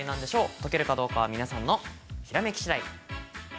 解けるかどうかは皆さんのひらめきしだいです。